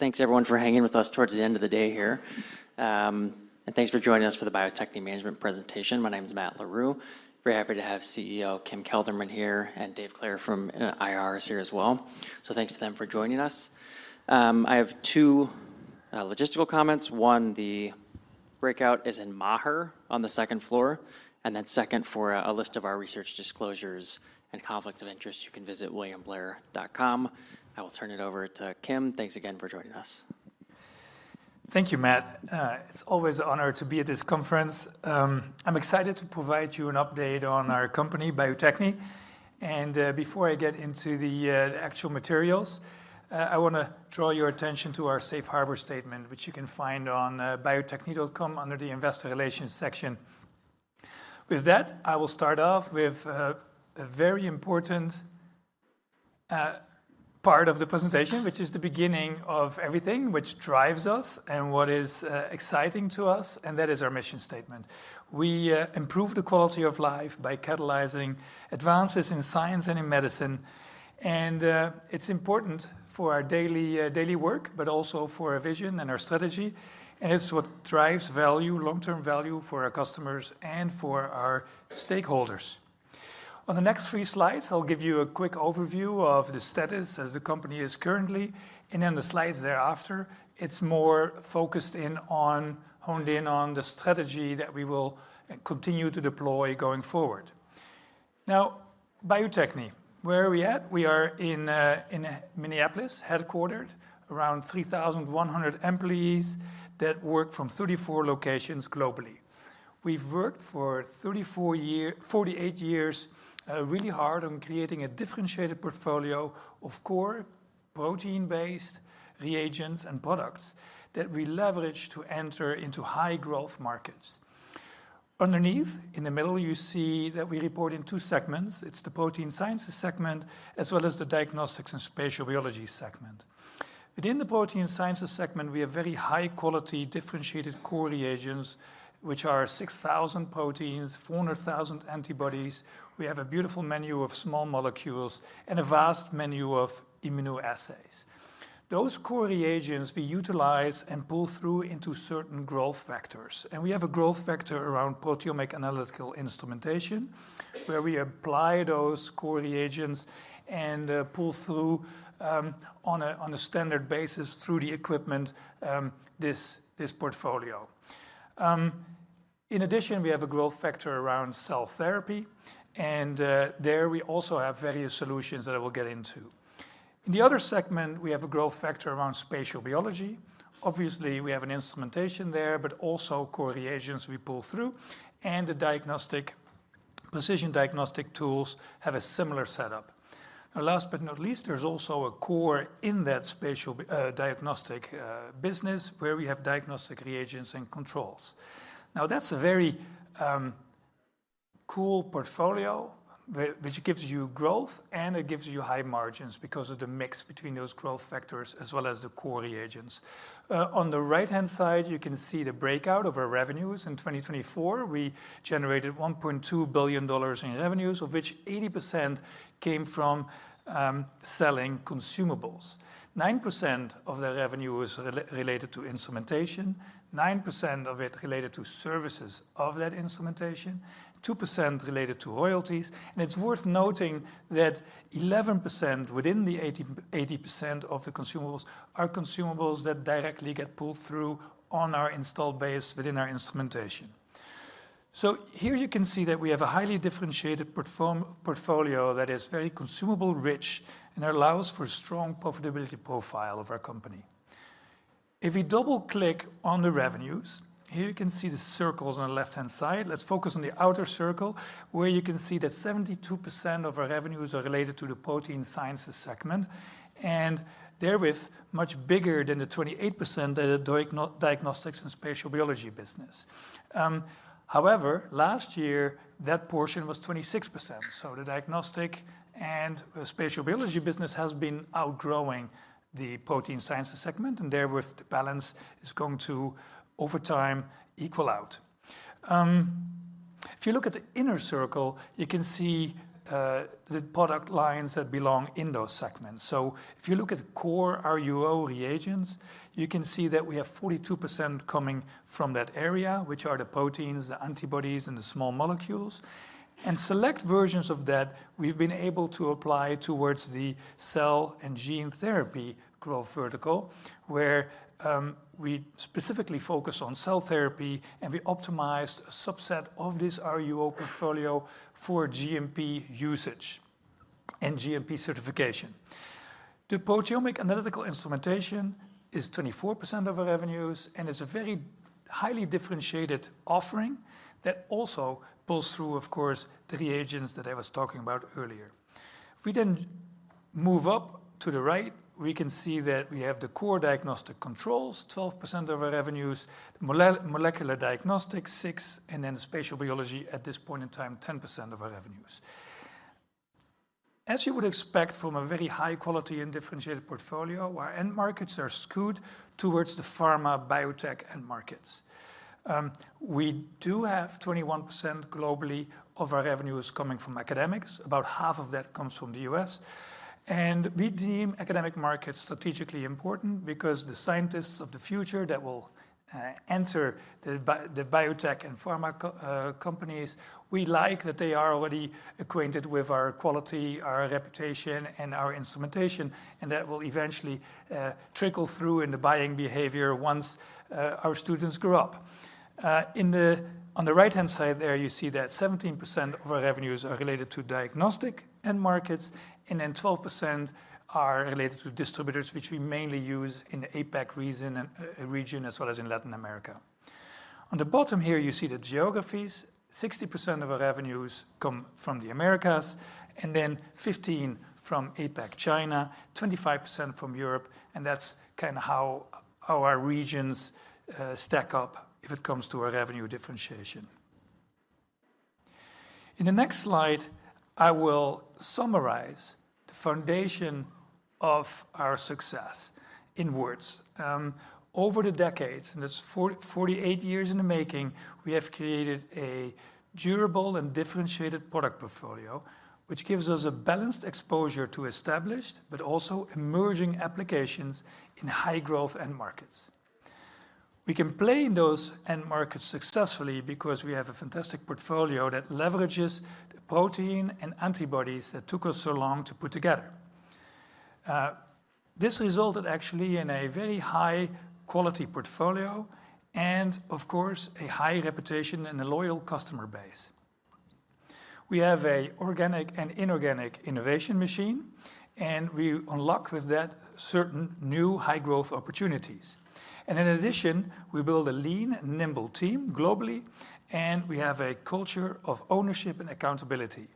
Thanks, everyone, for hanging with us towards the end of the day here. Thanks for joining us for the Bio-Techne management presentation. My name is Matt LaRue. Very happy to have CEO Kim Kelderman here and Dave Clair from Bio-Techne here as well. Thanks to them for joining us. I have two logistical comments. One, the breakout is in Maher on the second floor. Second, for a list of our research disclosures and conflicts of interest, you can visit williamgclair.com. I will turn it over to Kim. Thanks again for joining us. Thank you, Matt. It's always an honor to be at this conference. I'm excited to provide you an update on our company, Bio-Techne. Before I get into the actual materials, I want to draw your attention to our safe harbor statement, which you can find on biotechne.com under the investor relations section. With that, I will start off with a very important part of the presentation, which is the beginning of everything, which drives us and what is exciting to us. That is our mission statement. We improve the quality of life by catalyzing advances in science and in medicine. It's important for our daily work, but also for our vision and our strategy. It's what drives value, long-term value for our customers and for our stakeholders. On the next three slides, I'll give you a quick overview of the status as the company is currently. The slides thereafter, it's more focused in on, honed in on the strategy that we will continue to deploy going forward. Now, Bio-Techne, where are we at? We are in Minneapolis, headquartered, around 3,100 employees that work from 34 locations globally. We've worked for 48 years really hard on creating a differentiated portfolio of core protein-based reagents and products that we leverage to enter into high-growth markets. Underneath, in the middle, you see that we report in two segments. It's the protein sciences segment, as well as the diagnostics and spatial biology segment. Within the protein sciences segment, we have very high-quality differentiated core reagents, which are 6,000 proteins, 400,000 antibodies. We have a beautiful menu of small molecules and a vast menu of immunoassays. Those core reagents, we utilize and pull through into certain growth factors. We have a growth factor around proteomic analytical instrumentation, where we apply those core reagents and pull through on a standard basis through the equipment, this portfolio. In addition, we have a growth factor around cell therapy. There we also have various solutions that I will get into. In the other segment, we have a growth factor around spatial biology. Obviously, we have an instrumentation there, but also core reagents we pull through. The diagnostic precision diagnostic tools have a similar setup. Last but not least, there is also a core in that spatial diagnostic business, where we have diagnostic reagents and controls. That is a very cool portfolio, which gives you growth and it gives you high margins because of the mix between those growth factors, as well as the core reagents. On the right-hand side, you can see the breakout of our revenues. In 2024, we generated $1.2 billion in revenues, of which 80% came from selling consumables. 9% of the revenue is related to instrumentation, 9% of it related to services of that instrumentation, 2% related to royalties. It is worth noting that 11% within the 80% of the consumables are consumables that directly get pulled through on our installed base within our instrumentation. Here you can see that we have a highly differentiated portfolio that is very consumable-rich and allows for a strong profitability profile of our company. If we double-click on the revenues, here you can see the circles on the left-hand side. Let's focus on the outer circle, where you can see that 72% of our revenues are related to the protein sciences segment, and therewith, much bigger than the 28% that are diagnostics and spatial biology business. However, last year, that portion was 26%. The diagnostic and spatial biology business has been outgrowing the protein sciences segment. Therewith, the balance is going to, over time, equal out. If you look at the inner circle, you can see the product lines that belong in those segments. If you look at core RUO reagents, you can see that we have 42% coming from that area, which are the proteins, the antibodies, and the small molecules. Select versions of that, we've been able to apply towards the cell and gene therapy growth vertical, where we specifically focus on cell therapy. We optimized a subset of this RUO portfolio for GMP usage and GMP certification. The proteomic analytical instrumentation is 24% of our revenues and is a very highly differentiated offering that also pulls through, of course, the reagents that I was talking about earlier. If we then move up to the right, we can see that we have the core diagnostic controls, 12% of our revenues, molecular diagnostics, 6%, and then spatial biology at this point in time, 10% of our revenues. As you would expect from a very high-quality and differentiated portfolio, our end markets are skewed towards the pharma, biotech, and markets. We do have 21% globally of our revenues coming from academics. About half of that comes from the U.S. We deem academic markets strategically important because the scientists of the future that will enter the biotech and pharma companies, we like that they are already acquainted with our quality, our reputation, and our instrumentation, and that will eventually trickle through in the buying behavior once our students grow up. On the right-hand side there, you see that 17% of our revenues are related to diagnostic and markets, and then 12% are related to distributors, which we mainly use in the APAC region, as well as in Latin America. On the bottom here, you see the geographies. 60% of our revenues come from the Americas, and then 15% from APAC China, 25% from Europe. That is kind of how our regions stack up if it comes to our revenue differentiation. In the next slide, I will summarize the foundation of our success in words. Over the decades, and that is 48 years in the making, we have created a durable and differentiated product portfolio, which gives us a balanced exposure to established, but also emerging applications in high-growth end markets. We can play in those end markets successfully because we have a fantastic portfolio that leverages the protein and antibodies that took us so long to put together. This resulted actually in a very high-quality portfolio and, of course, a high reputation and a loyal customer base. We have an organic and inorganic innovation machine, and we unlock with that certain new high-growth opportunities. In addition, we build a lean and nimble team globally, and we have a culture of ownership and accountability.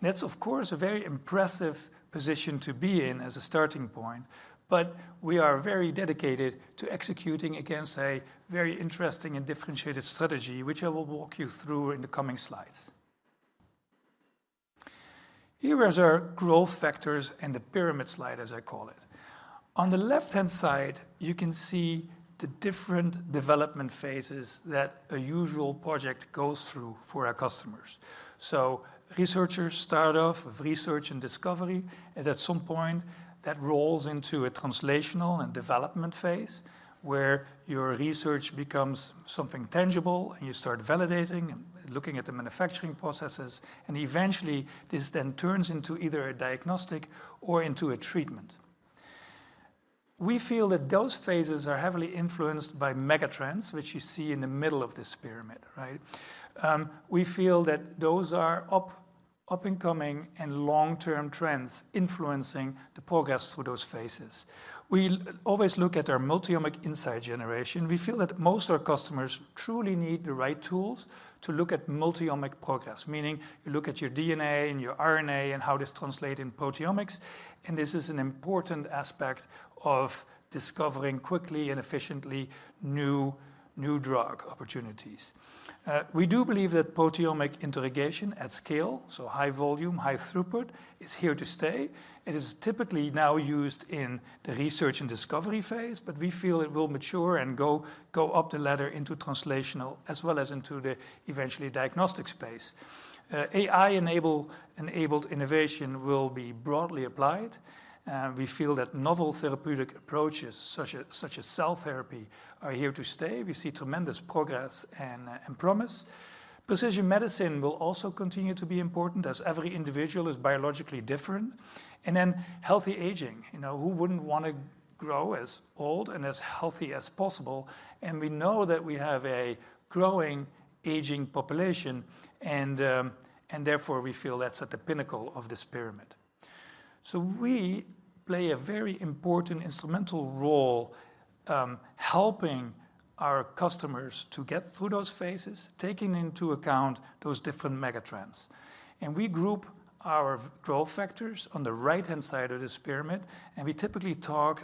That's, of course, a very impressive position to be in as a starting point, but we are very dedicated to executing against a very interesting and differentiated strategy, which I will walk you through in the coming slides. Here are our growth factors and the pyramid slide, as I call it. On the left-hand side, you can see the different development phases that a usual project goes through for our customers. Researchers start off with research and discovery, and at some point, that rolls into a translational and development phase, where your research becomes something tangible, and you start validating and looking at the manufacturing processes. Eventually, this then turns into either a diagnostic or into a treatment. We feel that those phases are heavily influenced by mega trends, which you see in the middle of this pyramid, right? We feel that those are up-and-coming and long-term trends influencing the progress through those phases. We always look at our multi-omic insight generation. We feel that most of our customers truly need the right tools to look at multi-omic progress, meaning you look at your DNA and your RNA and how this translates in proteomics. This is an important aspect of discovering quickly and efficiently new drug opportunities. We do believe that proteomic interrogation at scale, so high volume, high throughput, is here to stay. It is typically now used in the research and discovery phase, but we feel it will mature and go up the ladder into translational, as well as into the eventually diagnostic space. AI-enabled innovation will be broadly applied. We feel that novel therapeutic approaches, such as cell therapy, are here to stay. We see tremendous progress and promise. Precision medicine will also continue to be important, as every individual is biologically different. Healthy aging. Who would not want to grow as old and as healthy as possible? We know that we have a growing aging population, and therefore, we feel that is at the pinnacle of this pyramid. We play a very important instrumental role helping our customers to get through those phases, taking into account those different mega trends. We group our growth factors on the right-hand side of this pyramid. We typically talk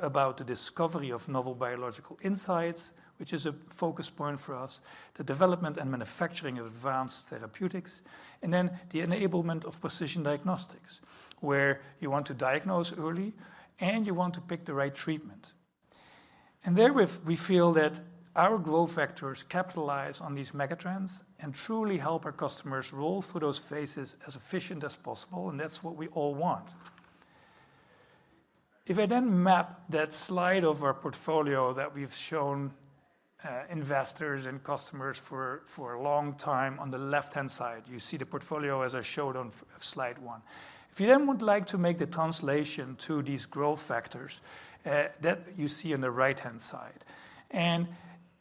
about the discovery of novel biological insights, which is a focus point for us, the development and manufacturing of advanced therapeutics, and then the enablement of precision diagnostics, where you want to diagnose early and you want to pick the right treatment. Therewith, we feel that our growth factors capitalize on these mega trends and truly help our customers roll through those phases as efficient as possible. That is what we all want. If I then map that slide of our portfolio that we have shown investors and customers for a long time on the left-hand side, you see the portfolio as I showed on slide one. If you then would like to make the translation to these growth factors that you see on the right-hand side.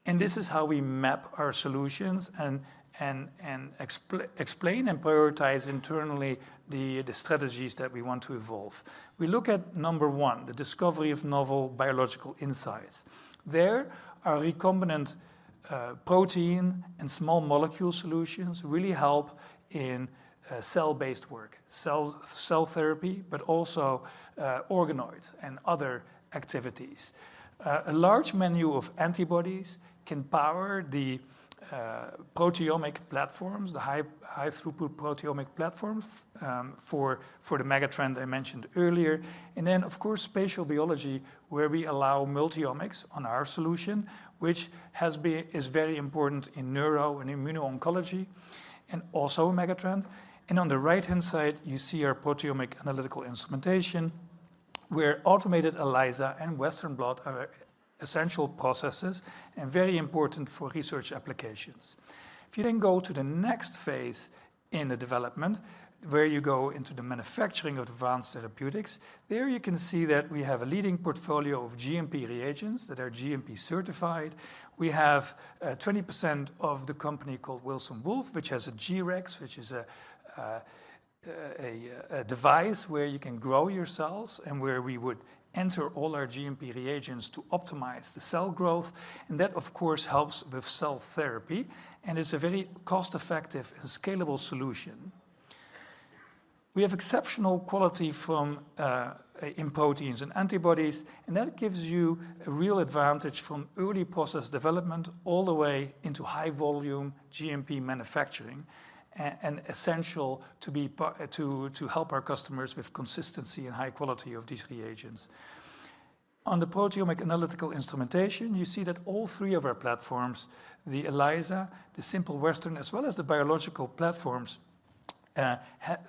This is how we map our solutions and explain and prioritize internally the strategies that we want to evolve. We look at number one, the discovery of novel biological insights. There, our recombinant protein and small molecule solutions really help in cell-based work, cell therapy, but also organoids and other activities. A large menu of antibodies can power the proteomic platforms, the high-throughput proteomic platforms for the mega trend I mentioned earlier. Then, of course, spatial biology, where we allow multi-omics on our solution, which is very important in neuro and immuno-oncology, and also a mega trend. On the right-hand side, you see our proteomic analytical instrumentation, where automated ELISA and Western blot are essential processes and very important for research applications. If you then go to the next phase in the development, where you go into the manufacturing of advanced therapeutics, there you can see that we have a leading portfolio of GMP reagents that are GMP certified. We have 20% of the company called Wilson Wolf, which has a G-Rex, which is a device where you can grow your cells and where we would enter all our GMP reagents to optimize the cell growth. That, of course, helps with cell therapy. It is a very cost-effective and scalable solution. We have exceptional quality in proteins and antibodies. That gives you a real advantage from early process development all the way into high-volume GMP manufacturing and is essential to help our customers with consistency and high quality of these reagents. On the proteomic analytical instrumentation, you see that all three of our platforms, the ELISA, the Simple Western, as well as the biological platforms,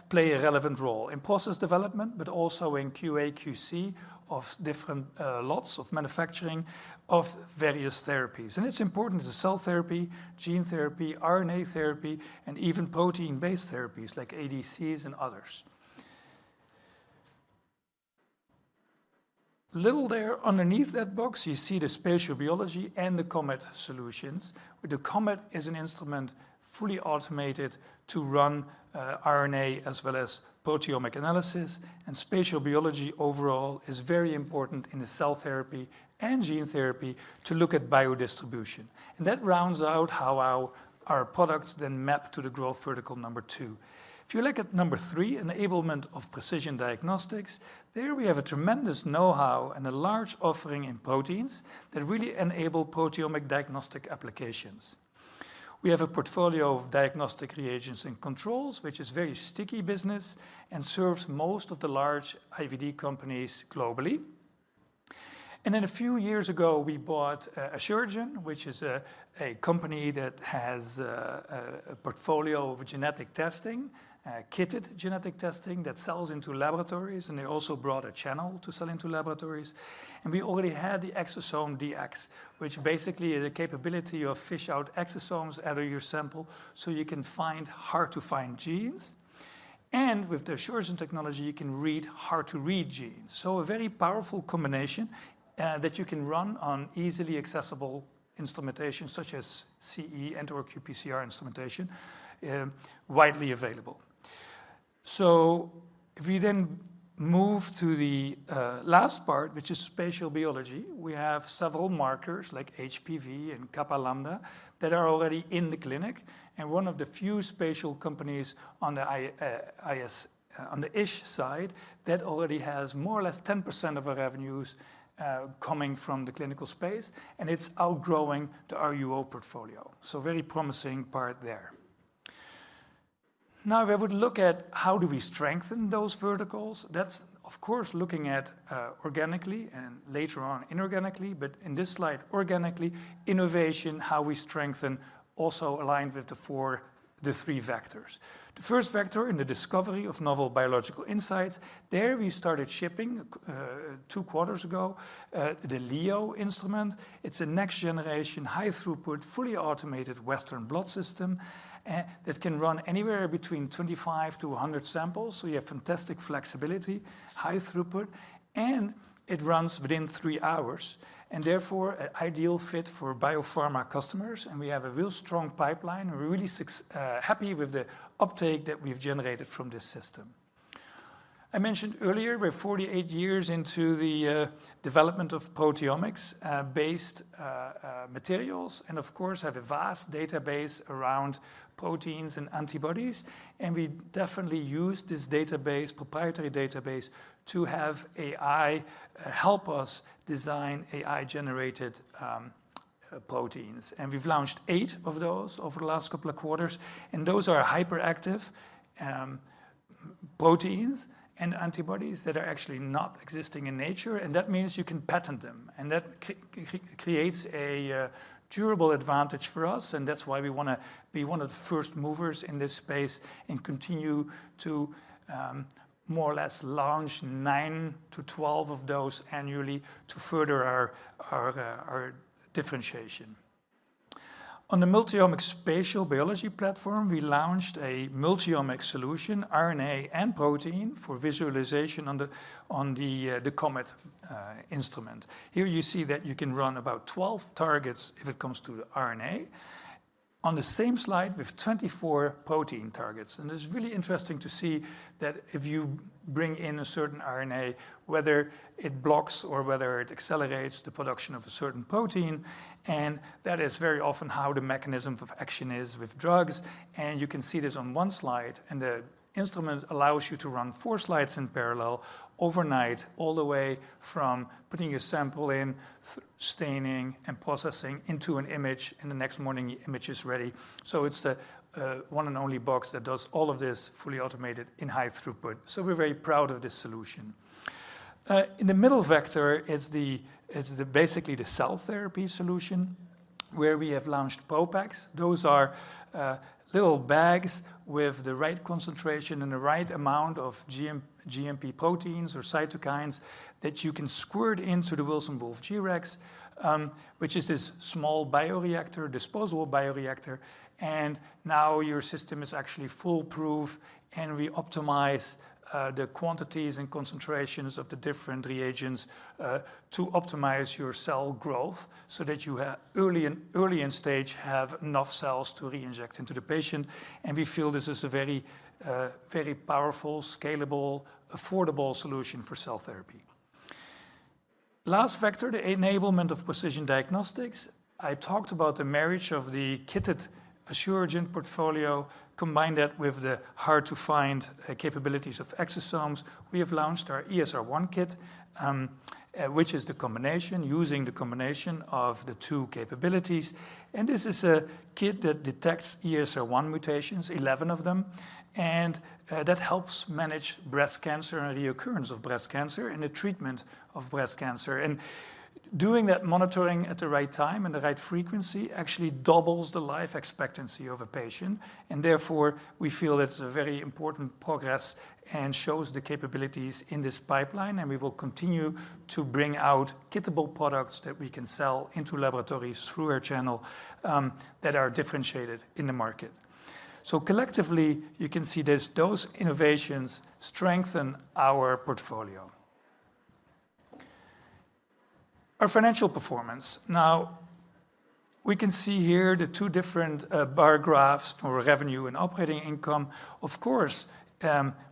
play a relevant role in process development, but also in QA/QC of different lots of manufacturing of various therapies. It is important to cell therapy, gene therapy, RNA therapy, and even protein-based therapies like ADCs and others. Little there underneath that box, you see the spatial biology and the Comet solutions, where the Comet is an instrument fully automated to run RNA as well as proteomic analysis. Spatial biology overall is very important in the cell therapy and gene therapy to look at biodistribution. That rounds out how our products then map to the growth vertical number two. If you look at number three, enablement of precision diagnostics, there we have a tremendous know-how and a large offering in proteins that really enable proteomic diagnostic applications. We have a portfolio of diagnostic reagents and controls, which is a very sticky business and serves most of the large IVD companies globally. A few years ago, we bought Asuragen, which is a company that has a portfolio of genetic testing, kitted genetic testing that sells into laboratories. They also brought a channel to sell into laboratories. We already had the exosome DX, which basically is a capability to fish out exosomes out of your sample so you can find hard-to-find genes. With the Asuragen technology, you can read hard-to-read genes. A very powerful combination that you can run on easily accessible instrumentation, such as CE and/or qPCR instrumentation, widely available. If we then move to the last part, which is spatial biology, we have several markers like HPV and Kappa Lambda that are already in the clinic. One of the few spatial companies on the IS side already has more or less 10% of our revenues coming from the clinical space. It is outgrowing the RUO portfolio. Very promising part there. Now, if I would look at how do we strengthen those verticals, that is, of course, looking at organically and later on inorganically, but in this slide, organically, innovation, how we strengthen also aligned with the three vectors. The first vector in the discovery of novel biological insights, there we started shipping two quarters ago the LEO instrument. It is a next-generation high-throughput, fully automated Western blot system that can run anywhere between 25-100 samples. You have fantastic flexibility, high throughput, and it runs within three hours. Therefore, an ideal fit for biopharma customers. We have a real strong pipeline. We're really happy with the uptake that we've generated from this system. I mentioned earlier, we're 48 years into the development of proteomics-based materials. Of course, have a vast database around proteins and antibodies. We definitely use this database, proprietary database, to have AI help us design AI-generated proteins. We've launched eight of those over the last couple of quarters. Those are hyperactive proteins and antibodies that are actually not existing in nature. That means you can patent them. That creates a durable advantage for us. That is why we want to be one of the first movers in this space and continue to more or less launch 9-12 of those annually to further our differentiation. On the multi-omic spatial biology platform, we launched a multi-omic solution, RNA and protein for visualization on the Comet instrument. Here you see that you can run about 12 targets if it comes to the RNA. On the same slide, we have 24 protein targets. It is really interesting to see that if you bring in a certain RNA, whether it blocks or whether it accelerates the production of a certain protein. That is very often how the mechanism of action is with drugs. You can see this on one slide. The instrument allows you to run four slides in parallel overnight, all the way from putting your sample in, staining, and processing into an image. The next morning, the image is ready. It is the one and only box that does all of this fully automated in high throughput. We are very proud of this solution. In the middle vector, it is basically the cell therapy solution, where we have launched ProPak. Those are little bags with the right concentration and the right amount of GMP proteins or cytokines that you can squirt into the Wilson Wolf G-Rex, which is this small bioreactor, disposable bioreactor. Now your system is actually foolproof. We optimize the quantities and concentrations of the different reagents to optimize your cell growth so that you early in stage have enough cells to reinject into the patient. We feel this is a very powerful, scalable, affordable solution for cell therapy. Last vector, the enablement of precision diagnostics. I talked about the marriage of the kitted Asuragen portfolio, combined that with the hard-to-find capabilities of exosomes. We have launched our ESR1 kit, which is the combination using the combination of the two capabilities. This is a kit that detects ESR1 mutations, 11 of them. That helps manage breast cancer and reoccurrence of breast cancer and the treatment of breast cancer. Doing that monitoring at the right time and the right frequency actually doubles the life expectancy of a patient. Therefore, we feel that it's a very important progress and shows the capabilities in this pipeline. We will continue to bring out kittable products that we can sell into laboratories through our channel that are differentiated in the market. So collectively, you can see that those innovations strengthen our portfolio. Our financial performance. Now, we can see here the two different bar graphs for revenue and operating income. Of course,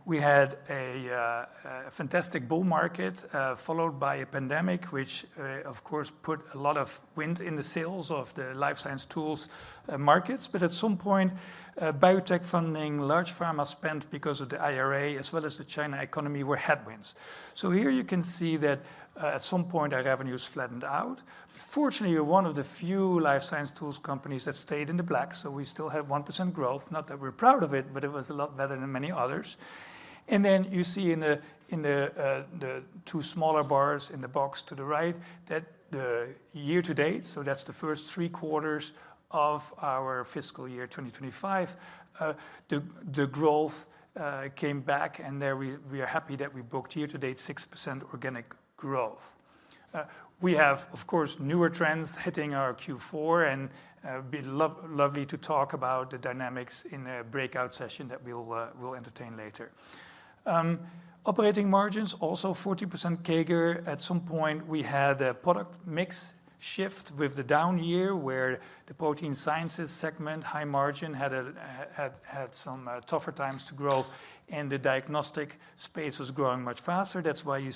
we had a fantastic bull market followed by a pandemic, which, of course, put a lot of wind in the sails of the life science tools markets. At some point, biotech funding, large pharma spent because of the IRA, as well as the China economy, were headwinds. Here you can see that at some point, our revenues flattened out. Fortunately, we are one of the few life science tools companies that stayed in the black. We still have 1% growth. Not that we are proud of it, but it was a lot better than many others. You see in the two smaller bars in the box to the right that the year-to-date, so that's the first three quarters of our fiscal year 2025, the growth came back. We are happy that we booked year-to-date 6% organic growth. We have, of course, newer trends hitting our Q4. It would be lovely to talk about the dynamics in a breakout session that we will entertain later. Operating margins, also 40% CAGR. At some point, we had a product mix shift with the down year where the protein sciences segment, high margin, had some tougher times to grow. The diagnostic space was growing much faster. That is why you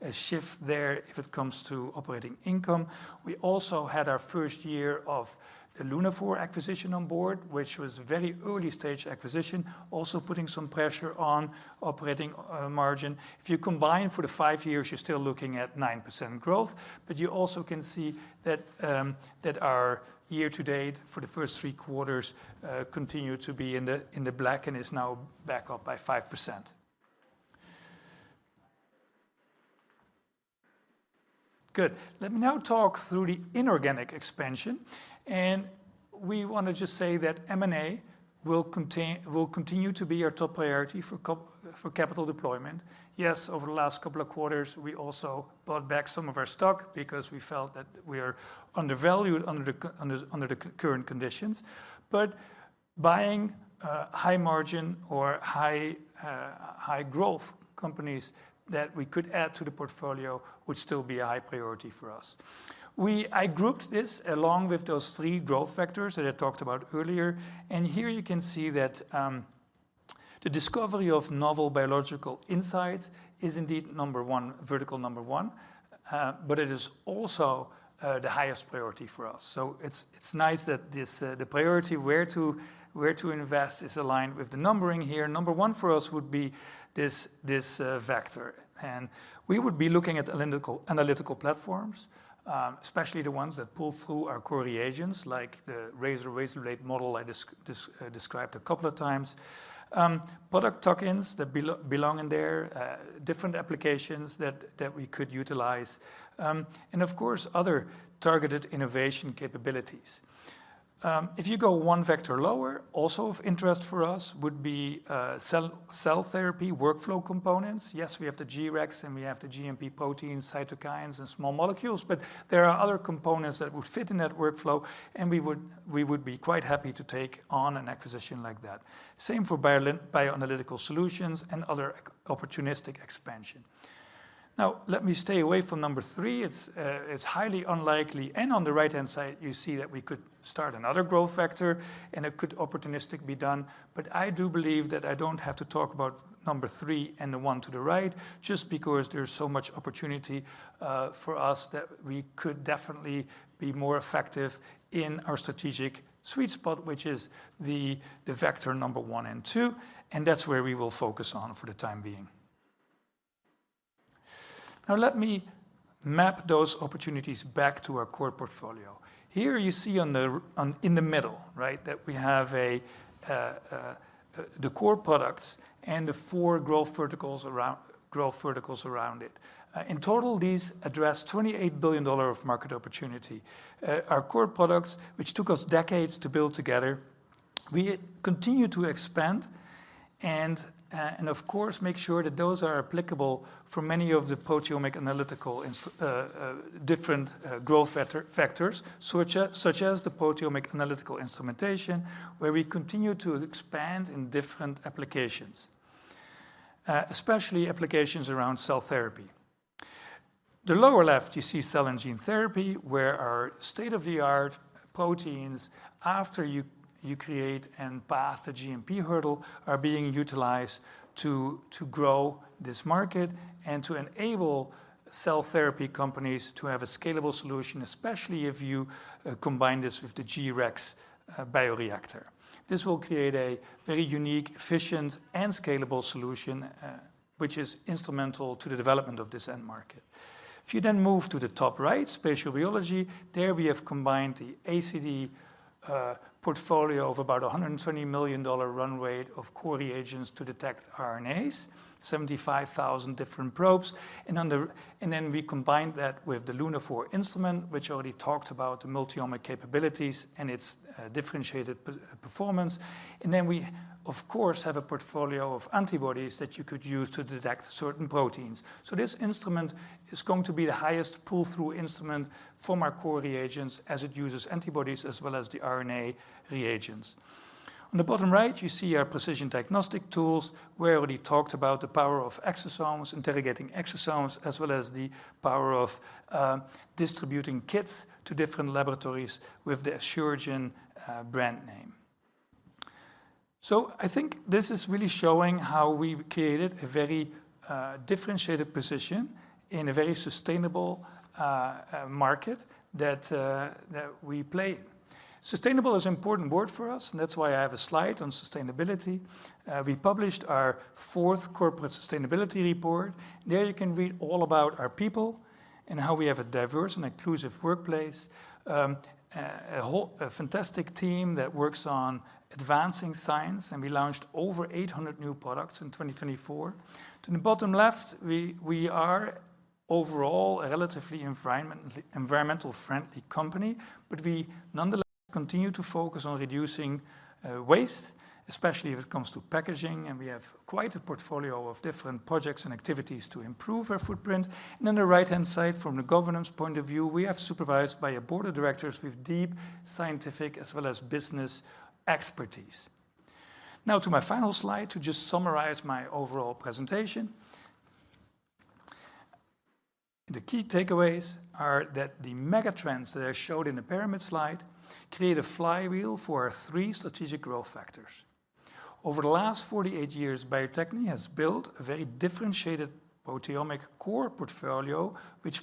see a shift there if it comes to operating income. We also had our first year of the Lunaphore acquisition on board, which was a very early-stage acquisition, also putting some pressure on operating margin. If you combine for the five years, you're still looking at 9% growth. You also can see that our year-to-date for the first three quarters continued to be in the black and is now back up by 5%. Good. Let me now talk through the inorganic expansion. We want to just say that M&A will continue to be our top priority for capital deployment. Yes, over the last couple of quarters, we also bought back some of our stock because we felt that we are undervalued under the current conditions. Buying high margin or high growth companies that we could add to the portfolio would still be a high priority for us. I grouped this along with those three growth factors that I talked about earlier. Here you can see that the discovery of novel biological insights is indeed vertical number one. It is also the highest priority for us. It is nice that the priority where to invest is aligned with the numbering here. Number one for us would be this vector. We would be looking at analytical platforms, especially the ones that pull through our core reagents like the Razor Razor Blade model I described a couple of times, product tokens that belong in there, different applications that we could utilize, and of course, other targeted innovation capabilities. If you go one vector lower, also of interest for us would be cell therapy workflow components. Yes, we have the G-Rex and we have the GMP proteins, cytokines, and small molecules. There are other components that would fit in that workflow. We would be quite happy to take on an acquisition like that. Same for bioanalytical solutions and other opportunistic expansion. Now, let me stay away from number three. It's highly unlikely. On the right-hand side, you see that we could start another growth vector. It could opportunistically be done. I do believe that I don't have to talk about number three and the one to the right just because there's so much opportunity for us that we could definitely be more effective in our strategic sweet spot, which is the vector number one and two. That's where we will focus on for the time being. Now, let me map those opportunities back to our core portfolio. Here you see in the middle that we have the core products and the four growth verticals around it. In total, these address $28 billion of market opportunity. Our core products, which took us decades to build together, we continue to expand and, of course, make sure that those are applicable for many of the proteomic analytical different growth vectors, such as the proteomic analytical instrumentation, where we continue to expand in different applications, especially applications around cell therapy. The lower left, you see cell and gene therapy, where our state-of-the-art proteins, after you create and pass the GMP hurdle, are being utilized to grow this market and to enable cell therapy companies to have a scalable solution, especially if you combine this with the G-Rex bioreactor. This will create a very unique, efficient, and scalable solution, which is instrumental to the development of this end market. If you then move to the top right, spatial biology, there we have combined the ACD portfolio of about $120 million run rate of core reagents to detect RNAs, 75,000 different probes. We combined that with the Lunaphore instrument, which already talked about the multi-omic capabilities and its differentiated performance. We, of course, have a portfolio of antibodies that you could use to detect certain proteins. This instrument is going to be the highest pull-through instrument for our core reagents as it uses antibodies as well as the RNA reagents. On the bottom right, you see our precision diagnostic tools, where we talked about the power of exosomes, interrogating exosomes, as well as the power of distributing kits to different laboratories with the Asuragen brand name. I think this is really showing how we created a very differentiated position in a very sustainable market that we play. Sustainable is an important word for us. That is why I have a slide on sustainability. We published our fourth corporate sustainability report. There you can read all about our people and how we have a diverse and inclusive workplace, a fantastic team that works on advancing science. We launched over 800 new products in 2024. To the bottom left, we are overall a relatively environmental-friendly company. We nonetheless continue to focus on reducing waste, especially if it comes to packaging. We have quite a portfolio of different projects and activities to improve our footprint. On the right-hand side, from the governance point of view, we are supervised by a board of directors with deep scientific as well as business expertise. Now, to my final slide to just summarize my overall presentation. The key takeaways are that the mega-trends that I showed in the pyramid slide create a flywheel for our three strategic growth factors. Over the last 48 years, Bio-Techne has built a very differentiated proteomic core portfolio, which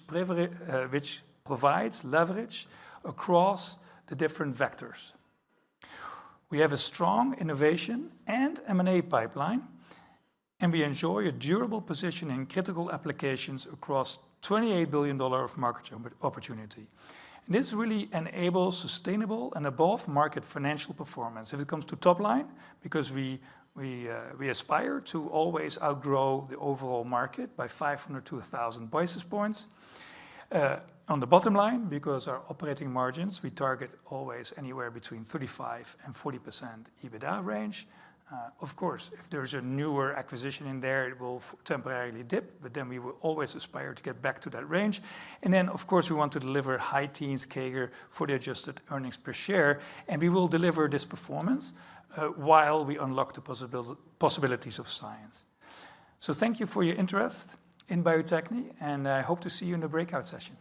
provides leverage across the different vectors. We have a strong innovation and M&A pipeline. We enjoy a durable position in critical applications across $28 billion of market opportunity. This really enables sustainable and above-market financial performance if it comes to top line, because we aspire to always outgrow the overall market by 500-1,000 basis points. On the bottom line, because our operating margins, we target always anywhere between 35%-40% EBITDA range. Of course, if there is a newer acquisition in there, it will temporarily dip. We will always aspire to get back to that range. Of course, we want to deliver high teens CAGR for the adjusted earnings per share. We will deliver this performance while we unlock the possibilities of science. So thank you for your interest in Bio-Techne. I hope to see you in the breakout session.